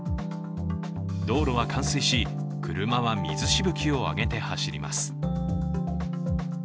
道路は冠水し、車は水しぶきを上げて走ります。